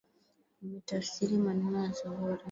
Nimetafsiri maneno ya Zuhura